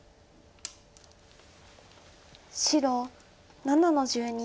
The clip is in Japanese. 白７の十二。